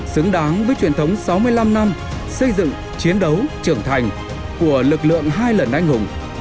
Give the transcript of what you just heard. xứng đáng với truyền thống sáu mươi năm năm xây dựng chiến đấu trưởng thành của lực lượng hai lần anh hùng